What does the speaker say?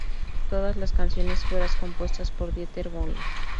Todas las canciones fueras compuestas por Dieter Bohlen.